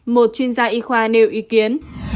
một chuyên gia y khoa nêu ý kiến